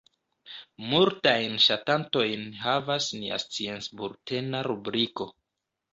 Multajn ŝatantojn havas nia sciencbultena rubriko.